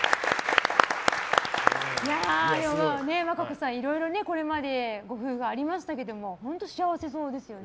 和歌子さん、いろいろなこれまで、ご夫婦ありましたけど本当に幸せそうですよね。